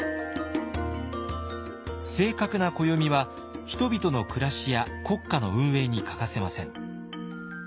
正確な暦は人々の暮らしや国家の運営に欠かせません。